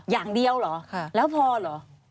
อย่างเดียวเหรอแล้วพอเหรอ